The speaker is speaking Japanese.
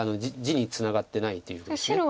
地につながってないということです。